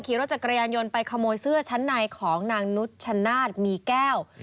ขี่รถจักรยานยนต์ไปขโมยเสื้อชั้นในของนางนุชชนาธิ์มีแก้ว